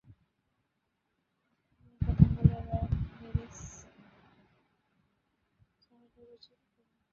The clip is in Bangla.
দিনের প্রথম বলেই রায়ান হ্যারিসকে চার মেরে শুরু করেছিলেন কেভিন পিটারসেন।